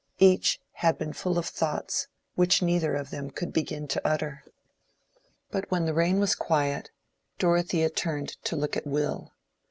Each had been full of thoughts which neither of them could begin to utter. But when the rain was quiet, Dorothea turned to look at Will.